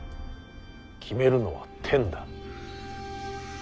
決めるのは天だ。